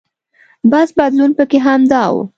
بس بدلون پکې همدا و.